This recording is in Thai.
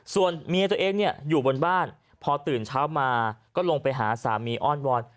ส่วนเมียตัวเองเนี่ยอยู่บนบ้านพอตื่นเช้ามาก็ลงไปหาสามีอ้อนวอน